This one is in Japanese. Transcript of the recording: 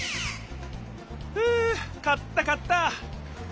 ふう買った買った！